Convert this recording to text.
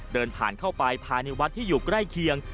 เดินผ่านเข้าไปภายในวัดที่อยู่ใกล้เคียง